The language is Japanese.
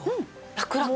ラクラク。